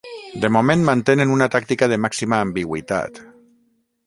De moment, mantenen una tàctica de màxima ambigüitat.